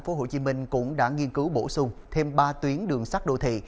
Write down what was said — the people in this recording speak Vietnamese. sở giao thông vận tải tp hcm cũng đã nghiên cứu bổ sung thêm ba tuyến đường sắt đô thị